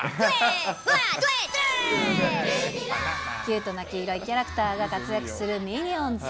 キュートな黄色いキャラクターが活躍するミニオンズ。